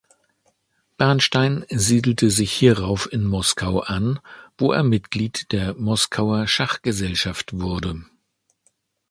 Bernstein siedelte sich hierauf in Moskau an, wo er Mitglied der "Moskauer Schachgesellschaft" wurde.